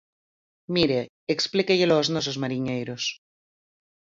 Mire, explíquellelo aos nosos mariñeiros.